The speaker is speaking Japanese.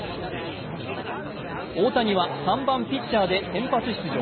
大谷は３番・ピッチャーで先発出場。